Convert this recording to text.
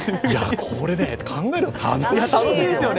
これ、考えるの楽しいですよ。